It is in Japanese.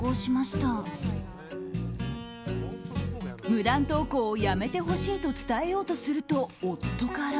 無断投稿をやめてほしいと伝えようとすると、夫から。